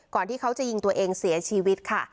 ที่เขาจะยิงตัวเองเสียชีวิตค่ะ